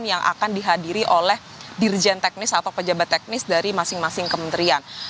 yang akan dihadiri oleh dirjen teknis atau pejabat teknis dari masing masing kementerian